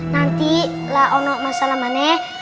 nanti kalau ada masalah